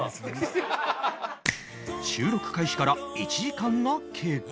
収録開始から１時間が経過